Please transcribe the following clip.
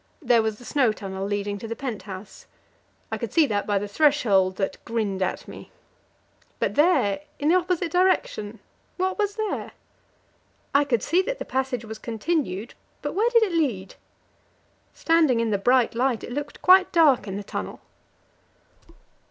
There was the snow tunnel leading to the pent house; I could see that by the threshold that grinned at me. But there, in the opposite direction, what was there? I could see that the passage was continued, but where did it lead? Standing in the bright light, it looked quite dark in the tunnel.